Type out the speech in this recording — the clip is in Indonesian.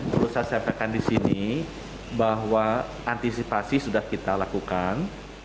perlu saya sampaikan di sini bahwa antisipasi sudah kita lakukan